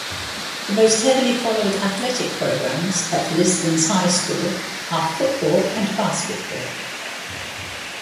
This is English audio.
The most heavily followed athletic programs at Lisbon's high school are football and basketball.